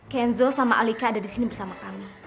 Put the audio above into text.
kenzo sama alika ada disini bersama kami